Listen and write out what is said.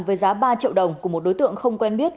với giá ba triệu đồng của một đối tượng không quen biết